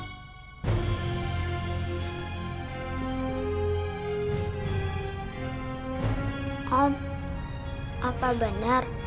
om apa bener